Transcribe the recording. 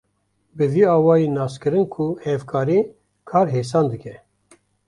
Bi vî awayî nas kirin ku hevkarî, kar hêsan dike.